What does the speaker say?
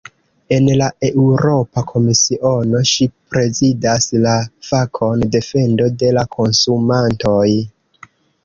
En la Eŭropa Komisiono, ŝi prezidas la fakon "defendo de la konsumantoj".